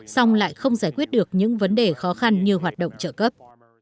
song lại không giải quyết được những vấn đề khó khăn như hoạt động trợ cấp